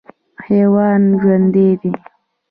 حیوان ژوندی دی.